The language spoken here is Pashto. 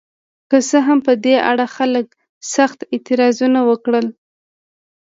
که څه هم په دې اړه خلکو سخت اعتراضونه وکړل.